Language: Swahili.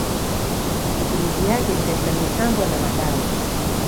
Matumizi yake ni katika mitambo na madawa.